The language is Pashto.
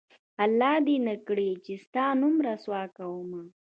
الله دې نه کړي چې ستا نوم رسوا کومه